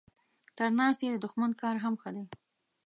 تر ناستي د دښمن کار هم ښه دی.